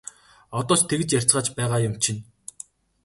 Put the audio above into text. Одоо ч тэгж ярьцгааж байгаа юм чинь!